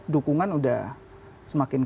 dukungan udah semakin